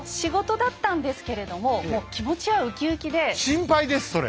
心配ですそれ。